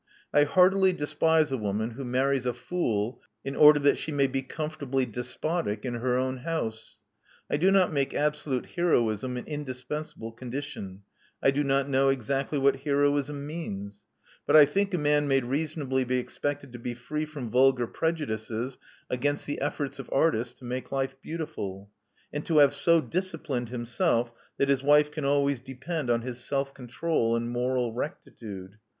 I heartily despise a woman who marries a fool in order that she may be comfortably despotic in her own house. I do not make absolute heroism an indispensable condition — I do not know exactly what heroism means; but I think a man may reasonably be expected to be free from vulgar preju dices against the efforts of artists to make life beauti ful ; and to have so disciplined himself that his wife can always depend on his self control and moral rectitude.